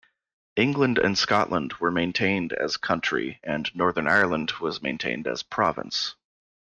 England and Scotland were maintained as "country" and Northern Ireland was maintained as "province".